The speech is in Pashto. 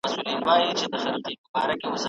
د لویې جرګي غړي د خپلو بې وزلو خلګو لپاره څه کوي؟